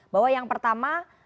bahwa yang pertama